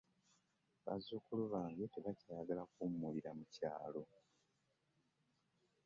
Bazzukulu bange tebakyayagala kuwummulira mu kyalo.